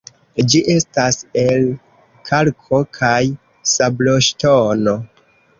Ĝi estas el kalko- kaj sabloŝtono.